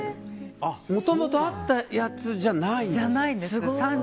もともとあったやつじゃないんですか。